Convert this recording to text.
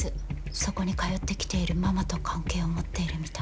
そこに通ってきているママと関係を持っているみたいなんです。